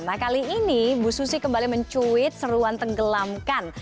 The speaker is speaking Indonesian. nah kali ini bu susi kembali mencuit seruan tenggelamkan